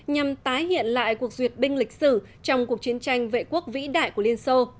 nhằm tái hiện lại cuộc duyệt binh lịch sử trong cuộc chiến tranh vệ quốc vĩ đại của liên xô